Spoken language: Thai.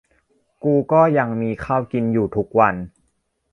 กูก็ยังมีข้าวกินอยู่ทุกวัน